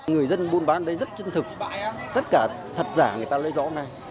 người dân buôn bán đấy rất chân thực tất cả thật giả người ta lấy rõ này